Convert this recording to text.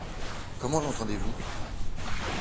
Comment l'entendez-vous ?